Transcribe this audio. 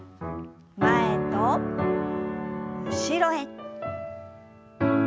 前と後ろへ。